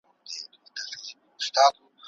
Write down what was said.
د څيړني حق به د محصلینو له خوا په سمه توګه اداء سي.